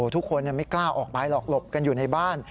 ทุกคนไม่กล้าออกไปหรอกหลบกันอยู่ในบ้าน